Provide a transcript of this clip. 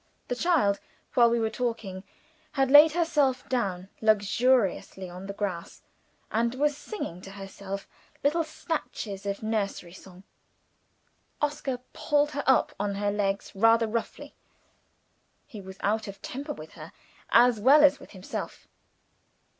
The child, while we were talking, had laid herself down luxuriously on the grass, and was singing to herself little snatches of a nursery song. Oscar pulled her up on her legs rather roughly. He was out of temper with her, as well as with himself.